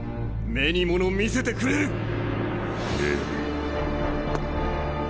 目に物見せてくれる。